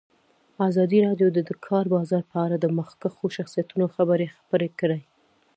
ازادي راډیو د د کار بازار په اړه د مخکښو شخصیتونو خبرې خپرې کړي.